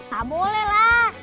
nggak boleh lah